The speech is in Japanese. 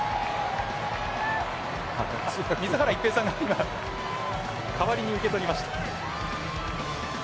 水原一平さんが今代わりに受け取りました。